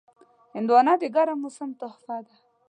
هندوانه د ګرم موسم تحفه ده.